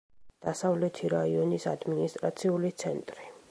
დასავლეთი რაიონის ადმინისტრაციული ცენტრი.